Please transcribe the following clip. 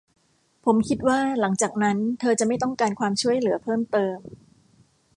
ผมคิดว่าหลังจากนั้นเธอจะไม่ต้องการความช่วยเหลือเพิ่มเติม